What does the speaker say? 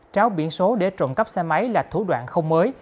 tráo biển số để trộm cắp xe máy là thủ đoạn không mới